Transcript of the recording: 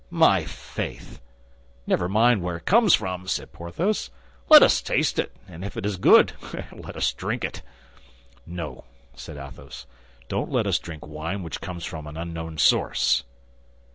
"My faith! never mind where it comes from," said Porthos, "let us taste it, and if it is good, let us drink it." "No," said Athos; "don't let us drink wine which comes from an unknown source."